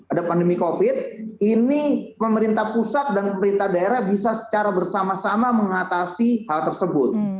ada pandemi covid ini pemerintah pusat dan pemerintah daerah bisa secara bersama sama mengatasi hal tersebut